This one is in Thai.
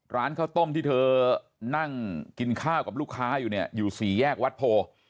ร้านข้าวต้มที่เธอนั่งกินข้าวกับลูกค้าอยู่เนี่ยอยู่สี่แยกวัดโพ